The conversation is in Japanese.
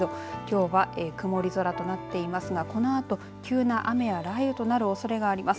きょうは曇り空となっていますがこのあと急な雨や雷雨となるおそれがあります。